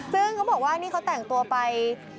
ซึ่งเขาบอกว่านี่เขาแต่งตัวไป